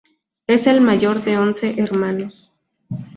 Es el mayor de once hermanos.